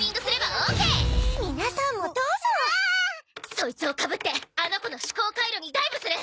そいつをかぶってあの子の思考回路にダイブする！